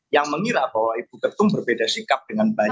yang mengira bahwa ibu ketum berbeda sikap dengan baik